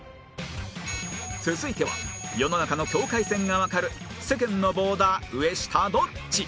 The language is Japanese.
続いては世の中の境界線がわかる世間のボーダー上下どっち？